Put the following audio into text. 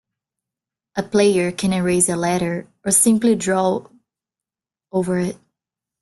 A player can erase a letter or simply draw over it.